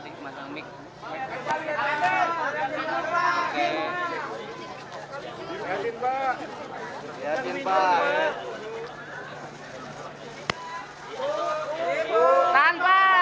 ridwan kamil uu rizalul ulum